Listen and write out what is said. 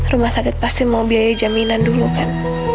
rumah sakit pasti mau biaya jaminan dulu kan